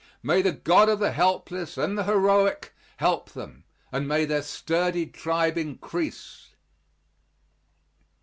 May the God of the helpless and the heroic help them, and may their sturdy tribe increase.